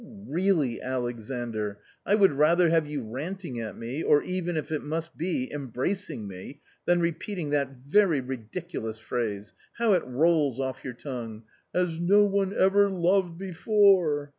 " Really, Alexandr, I would rather have you ranting at me or even if it must be embracing me than repeating that very ridiculous phrase ! How it rolls off your tongue !' as no one ever loved before